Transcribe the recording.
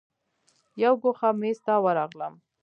یو ګوښه میز ته ورغلم.